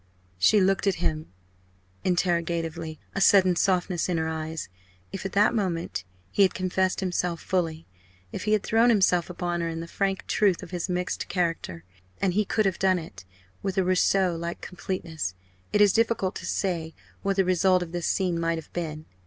She looked at him interrogatively a sudden softness in her eyes. If at that moment he had confessed himself fully, if he had thrown himself upon her in the frank truth of his mixed character and he could have done it, with a Rousseau like completeness it is difficult to say what the result of this scene might have been.